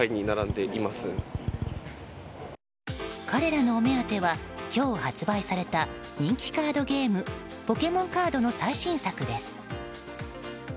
彼らのお目当ては今日、発売された人気カードゲームポケモンカードの最新作です。